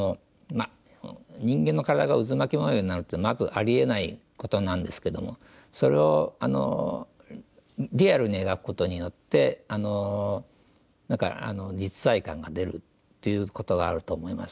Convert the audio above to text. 人間の体がうずまき模様になるってまずありえないことなんですけどもそれをリアルに描くことによって何か実在感が出るということがあると思います。